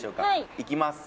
いきます